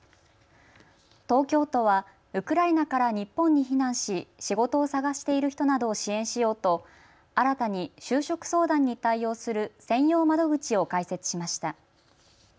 東京都はウクライナから日本に避難し仕事を探している人などを支援しようと新たに就職相談に対応する専用窓口を開設しました。